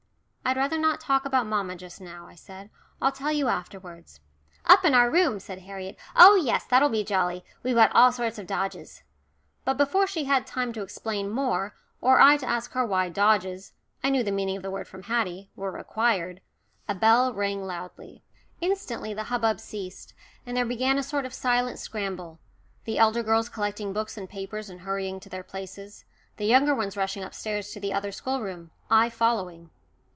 "I'd rather not talk about mamma just now," I said. "I'll tell you afterwards." "Up in our room," said Harriet, "oh yes, that'll be jolly. We've got all sorts of dodges." But before she had time to explain more, or I to ask her why "dodges" I knew the meaning of the word from Haddie were required, a bell rang loudly. Instantly the hubbub ceased, and there began a sort of silent scramble the elder girls collecting books and papers and hurrying to their places; the younger ones rushing upstairs to the other schoolroom, I following.